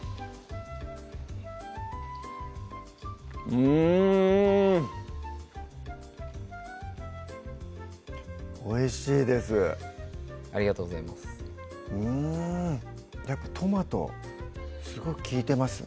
うんおいしいですありがとうございますうんやっぱトマトすごい利いてますね